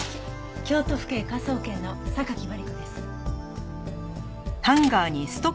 京都府警科捜研の榊マリコです。